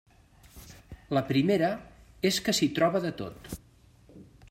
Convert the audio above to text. La primera és que s'hi troba de tot.